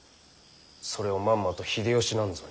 それをまんまと秀吉なんぞに。